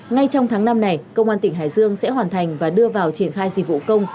ngay trong tháng năm này công an tỉnh hải dương sẽ hoàn thành và đưa vào triển khai dịch vụ công